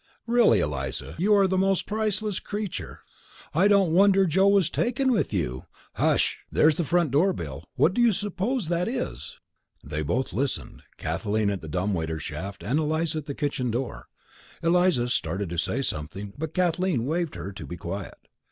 "Really, Eliza, you are the most priceless creature! I don't wonder Joe was taken with you! Hush! There's the front door bell; what do you suppose that is?" They both listened, Kathleen at the dumb waiter shaft and Eliza at the kitchen door. Eliza started to say something, but Kathleen waved her to be quiet.